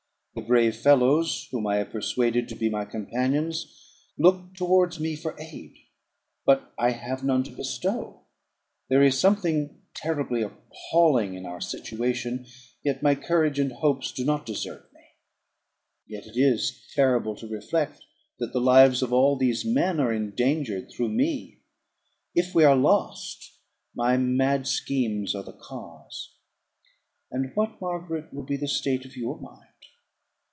The brave fellows, whom I have persuaded to be my companions, look towards me for aid; but I have none to bestow. There is something terribly appalling in our situation, yet my courage and hopes do not desert me. Yet it is terrible to reflect that the lives of all these men are endangered through me. If we are lost, my mad schemes are the cause. And what, Margaret, will be the state of your mind?